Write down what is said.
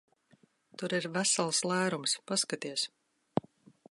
Tur ir vesels lērums. Paskaties!